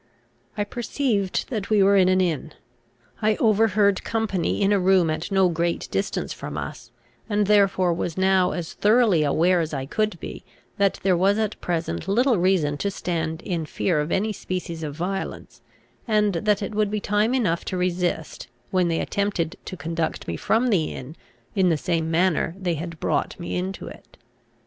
I perceived that we were in an inn; I overheard company in a room at no great distance from us, and therefore was now as thoroughly aware as he could be, that there was at present little reason to stand in fear of any species of violence, and that it would be time enough to resist, when they attempted to conduct me from the inn in the same manner that they had brought me into it.